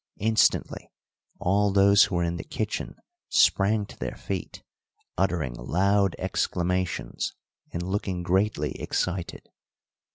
Instantly all those who were in the kitchen sprang to their feet uttering loud exclamations and looking greatly excited.